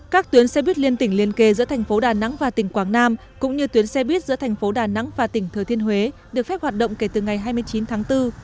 các tuyến xe buýt liên tỉnh liên kề giữa thành phố đà nẵng và tỉnh quảng nam cũng như tuyến xe buýt giữa thành phố đà nẵng và tỉnh thừa thiên huế được phép hoạt động kể từ ngày hai mươi chín tháng bốn